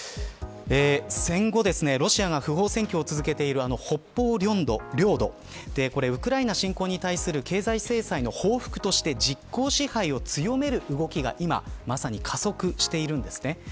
戦後、ロシアが不法占拠を続けている北方領土ウクライナ侵攻に対する経済制裁の報復として実効支配を強める動きが今まさに加速しているんです。